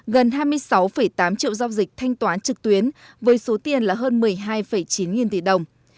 gần hai mươi sáu tám triệu giao dịch thanh toán trực tuyến với số tiền là hơn một mươi hai chín nghìn tỷ đồng